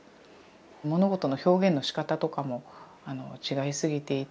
物事の表現のしかたとかも違いすぎていて。